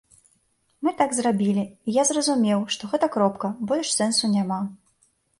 Мы так зрабілі, і я зразумеў, што гэта кропка, больш сэнсу няма.